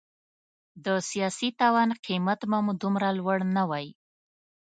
د سیاسي تاوان قیمت به مو دومره لوړ نه وای.